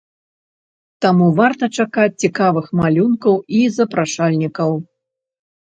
Таму варта чакаць цікавых малюнкаў і запрашальнікаў.